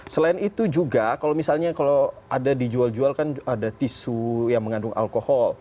selain itu juga kalau misalnya kalau ada dijual jual kan ada tisu yang mengandung alkohol